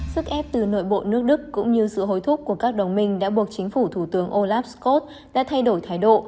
sức ép từ nội bộ nước đức cũng như sự hối thúc của các đồng minh đã buộc chính phủ thủ tướng olaf scott đã thay đổi thái độ